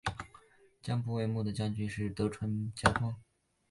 江户幕府的将军是德川家光。